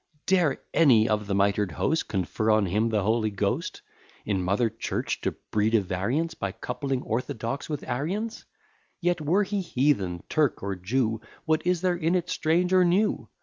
Dare any of the mitred host Confer on him the Holy Ghost: In mother church to breed a variance, By coupling orthodox with Arians? Yet, were he Heathen, Turk, or Jew: What is there in it strange or new?